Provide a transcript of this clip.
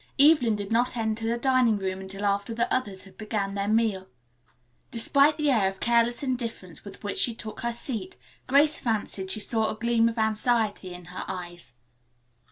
Evelyn did not enter the dining room until after the others had began their meal. Despite the air of careless indifference with which she took her seat, Grace fancied she saw a gleam of anxiety in her eyes.